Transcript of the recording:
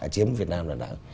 chiếm việt nam là đà nẵng